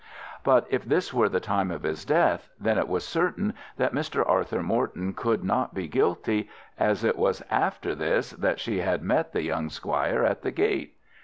But if this were the time of his death, then it was certain that Mr. Arthur Morton could not be guilty, as it was after this that she had met the young squire at the gate.